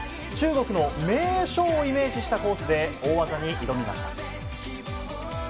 中国の名所をイメージしたコースで、大技に挑みました。